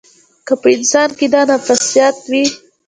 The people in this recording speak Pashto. که په انسان کې دا نفسیات وي.